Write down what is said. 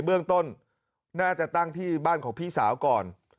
เบื้องต้นน่าจะตั้งที่บ้านของพี่สาวก่อน